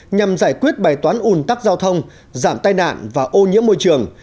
nhằm giải quyết bài toán ùn tắc giao thông giảm tai nạn và ô nhiễm môi trường